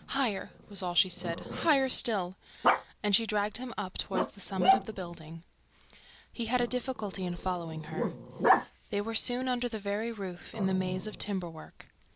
"Higher!" was all she said. "Higher still!" And she dragged him up toward the summit. He had a difficulty in following her. They were soon under the very roof, in the maze of timber work.